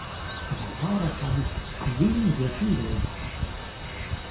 La paro havis kvin gefilojn.